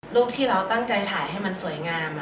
ที่เราตั้งใจถ่ายให้มันสวยงาม